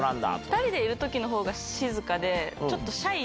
２人でいる時のほうが静かで。